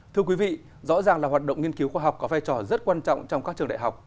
thưa quý vị rõ ràng là hoạt động nghiên cứu khoa học có vai trò rất quan trọng trong các trường đại học